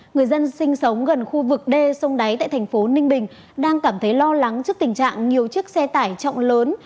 người dân sinh sống gần khu vực đê sông đáy tại thành phố ninh bình đang cảm thấy lo lắng trước tình trạng nhiều chiếc xe tải trọng lớn